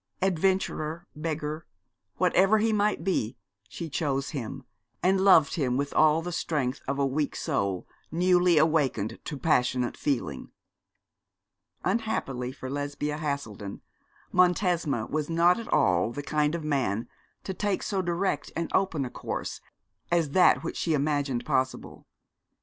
Adventurer, beggar, whatever he might be, she chose him, and loved him with all the strength of a weak soul newly awakened to passionate feeling. Unhappily for Lesbia Haselden, Montesma was not at all the kind of man to take so direct and open a course as that which she imagined possible.